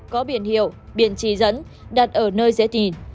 có biển hiệu biển chỉ dẫn đặt ở nơi dễ tìm